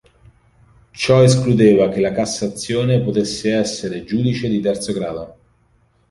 Ciò escludeva che la cassazione potesse essere giudice di terzo grado.